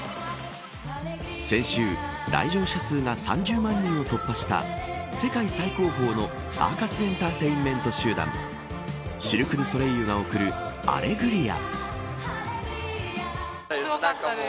先週、来場者数が３０万人を突破した世界最高峰のサーカス・エンターテインメント集団シルク・ドゥ・ソレイユが贈るアレグリア。